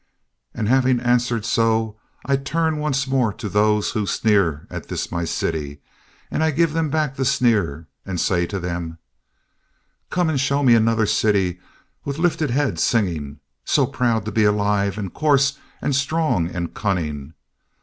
And having answered so I turn once more to those who sneer at this my city, and I give them back the sneer and say to them: Come and show me another city with lifted head singing so proud to be alive and coarse and strong and cunning.